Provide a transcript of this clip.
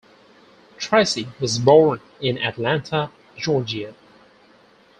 Tracy was born in Atlanta, Georgia.